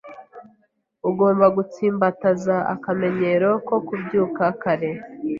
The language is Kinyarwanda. Ugomba gutsimbataza akamenyero ko kubyuka kare.